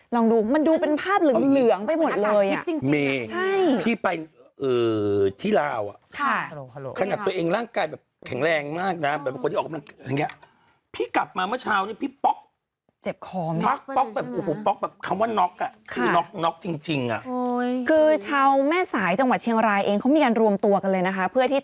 ลองดูเป็นภาพเหลืองไปหมดเลย